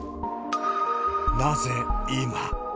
なぜ今。